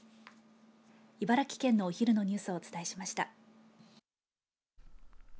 茨城県のお昼のニュースをお伝えしました。